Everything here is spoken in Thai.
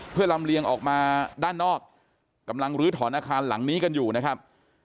เพื่อลำเลียงออกมาด้านนอกกำลังลื้อถอนอาคารหลังนี้กันอยู่นะครับ